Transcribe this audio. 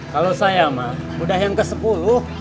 kalau saya mah udah yang ke sepuluh